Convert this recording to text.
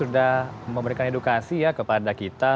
sudah memberikan edukasi ya kepada kita